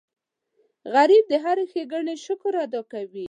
غریب د هرې ښېګڼې شکر ادا کوي